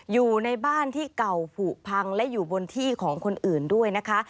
อยู่ในบ้านที่เก่าผูพังและอยู่บนที่ของคนอื่นด้วยนะคะ